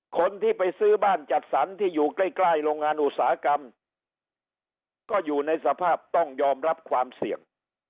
คนที่ไปซื้อบ้านจัดสรรที่อยู่ใกล้ใกล้โรงงานอุตสาหกรรมก็อยู่ในสภาพต้องยอมรับความเสี่ยง